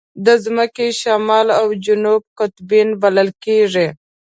د ځمکې شمال او جنوب قطبین بلل کېږي.